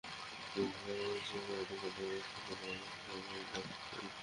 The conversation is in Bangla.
এভাবেই সৃষ্টির আদিকাল থেকে মানুষের মধ্যে চলে আসছে বৈষম্যমূলক মানবতাবিরোধী অসদাচরণ।